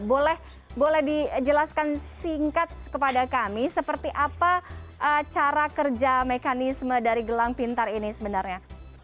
boleh boleh dijelaskan singkat kepada kami seperti apa cara kerja mekanisme dari gelang pintar ini sebenarnya